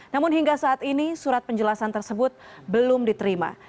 namun hingga saat ini surat penjelasan tersebut belum diterima